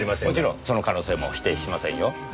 もちろんその可能性も否定しませんよ。